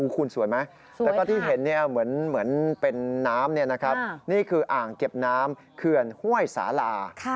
อู๋คุณสวยไหมแล้วก็ที่เห็นเหมือนเป็นน้ำนี่นะครับนี่คืออ่างเก็บน้ำเคือนห้วยสาหร่า